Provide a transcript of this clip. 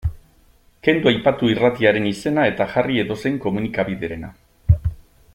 Kendu aipatu irratiaren izena eta jarri edozein komunikabiderena.